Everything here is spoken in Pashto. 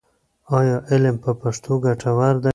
ایا علم په پښتو ګټور دی؟